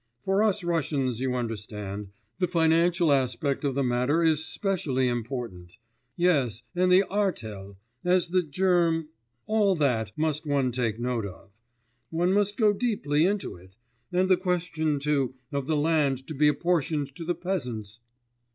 For us Russians, you understand, the financial aspect of the matter is specially important. Yes, and the artel ... as the germ.... All that, one must take note of. One must go deeply into it. And the question, too, of the land to be apportioned to the peasants....